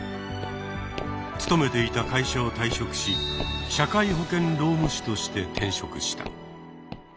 勤めていた会社を退職し社会保険労務士として転職した。